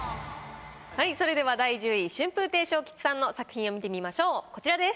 はいそれでは第１０位春風亭昇吉さんの作品を見てみましょうこちらです。